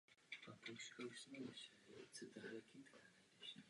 Poté pracoval jako učitel přírodopisu a zeměpisu na dívčí škole.